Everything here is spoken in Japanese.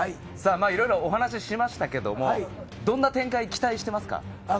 いろいろお話しましたけども、どんな展開を期待してますか？